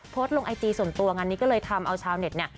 โพสต์ลงไอจีส่วนตัวงานนี้ก็เลยทำเอาชาวเน็ตเนี่ย